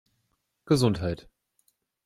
Gesundheit!